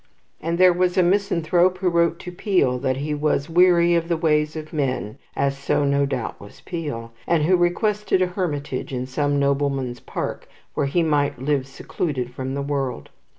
And there was a misanthrope who wrote to Peel that he was weary of the ways of men (as so, no doubt, was Peel), and who requested a hermitage in some nobleman's park, where he might live secluded from the world.